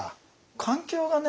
環境がね